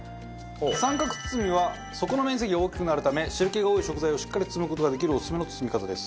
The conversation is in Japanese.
三角包みは底の面積が大きくなるため汁気が多い食材をしっかり包む事ができるオススメの包み方です。